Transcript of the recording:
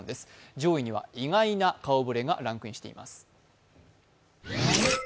上位には意外な顔ぶれがランクインしています。